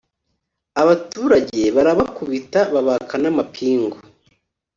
abaturage barabakubita babaka n’amapingu